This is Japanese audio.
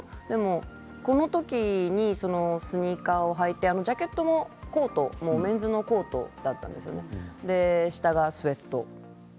この時にスニーカーを履いてジャケットもメンズのコートだったんです、下がスエットで。